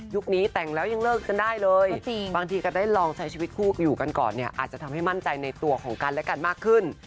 นี้แต่งแล้วยังเลิกกันได้เลยบางทีก็ได้ลองใช้ชีวิตคู่อยู่กันก่อนเนี่ยอาจจะทำให้มั่นใจในตัวของกันและกันมากขึ้น